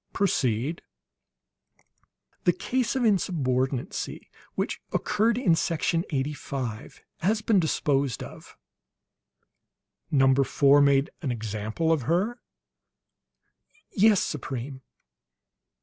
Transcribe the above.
"Proceed." "The case of insubordinancy which occurred in Section Eighty five has been disposed of." "Number Four made an example of her?" "Yes, Supreme."